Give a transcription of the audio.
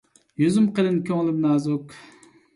يۈزۈم قېلىن، كۆڭلۈم نازۇك.